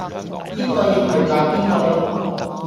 邊個應咪鬧邊個囉